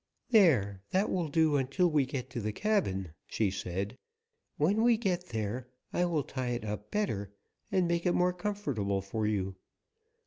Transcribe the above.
"There, that will do until we get to the cabin," she said. "When we get there I will tie it up better and make it more comfortable for you.